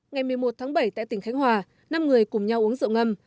ngày một mươi một tháng bảy tại tỉnh khánh hòa năm người cùng nhau uống rượu ngâm